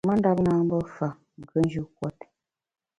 Ma ndap nâ mbe fa, nkùnjù kuot.